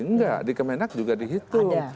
enggak di kemenak juga dihitung